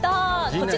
こちら。